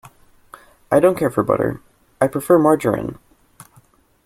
I don’t care for butter; I prefer margarine.